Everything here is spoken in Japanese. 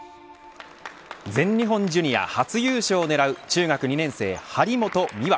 全日本ジュニア初優勝を狙う中学２年生、張本美和。